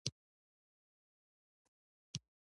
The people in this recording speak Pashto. سوالګر ته مینه پکار ده